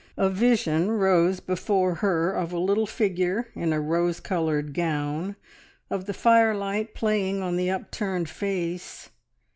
A vision rose before her of a little figure in a rose coloured gown, of the firelight playing on the upturned face.